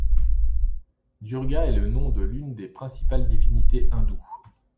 Durga est le nom de l'une des principales divinités hindoues.